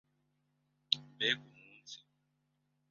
Mbega umunsi!